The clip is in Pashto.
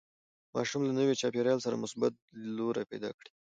ماشوم له نوي چاپېریال سره مثبت لیدلوری پیدا کړي.